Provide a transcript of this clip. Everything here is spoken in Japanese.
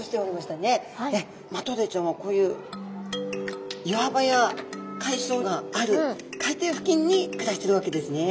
マトウダイちゃんはこういう岩場や海草がある海底付近に暮らしているわけですね。